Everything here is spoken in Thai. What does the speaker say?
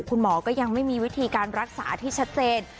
คุณหมอก็ยังไม่มีวิธีการรักษาที่ชัดเจน